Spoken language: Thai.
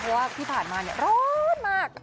เพราะว่าที่ผ่านมาร้อนมาก